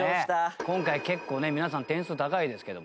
今回結構ね皆さん点数高いですけど。